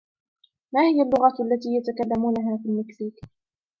ما هي اللغة التي يتكلمونها في المكسيك؟